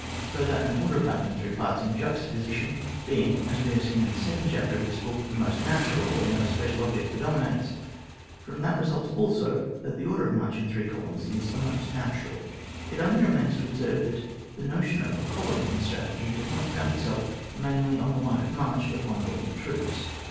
Further, an order of battle in three parts in juxtaposition being, as we have seen in the second* chapter of this book, the most natural where no special object predominates, from, that results also that the order of march in three columns is the most natural It only remains to observe that the notion of a column in strategy does not found itself mainly on the line of march of one body of troops.